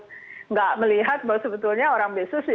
tidak melihat bahwa sebetulnya orang besusi